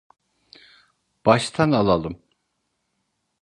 Baştan alalım.